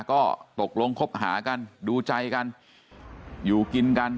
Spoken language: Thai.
ก็ตกลงคบหากันดูใจกันอยู่กินกัน